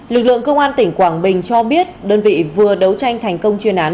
lực lượng công an tỉnh quảng bình cho biết đơn vị vừa đấu tranh thành công chuyên án